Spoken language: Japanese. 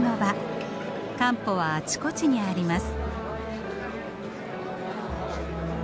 カンポはあちこちにあります。